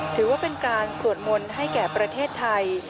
ถือว่าเป็นการสวดมนต์ให้แก่ประเทศไทย